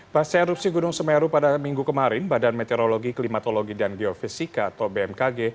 pas erupsi gunung semeru pada minggu kemarin badan meteorologi klimatologi dan geofisika atau bmkg